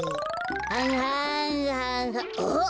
はんはんはんあっ！